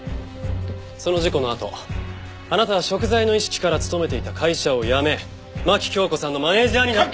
その事故のあとあなたは贖罪の意識から勤めていた会社を辞め牧京子さんのマネジャーに。